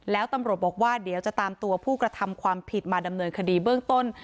แล้วตำรวจบอกว่าเดี๋ยวจะตามตัวผู้กระทำความผิดมาดำเนินคดีเบื้องต้น